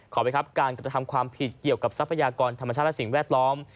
ไปครับการกระทำความผิดเกี่ยวกับทรัพยากรธรรมชาติและสิ่งแวดล้อม